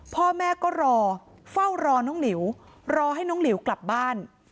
พ่อแม่ก็รอเฝ้ารอน้องหลิวรอให้น้องหลิวกลับบ้าน